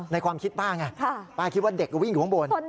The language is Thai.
ความคิดป้าไงป้าคิดว่าเด็กก็วิ่งอยู่ข้างบน